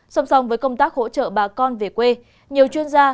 song song với công tác hỗ trợ bà con về quê nhiều chuyên gia